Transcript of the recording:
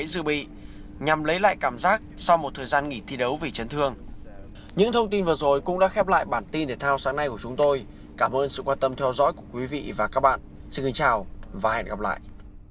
xin kính chào và hẹn gặp lại